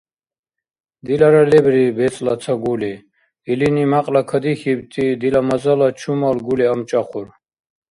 Дилара лебри бецӀла ца гули. Илини мякьла кадихьибти дила мазала чумал гули амчӀахъур.